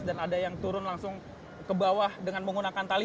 dan ada yang turun langsung ke bawah dengan menggunakan tali